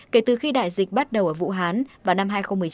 kể từ khi đại dịch bắt đầu ở vũ hán vào năm hai nghìn một mươi chín